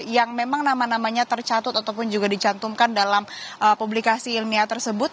yang memang nama namanya tercatut ataupun juga dicantumkan dalam publikasi ilmiah tersebut